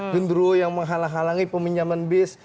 gendro yang menghalang halangi peminjaman bis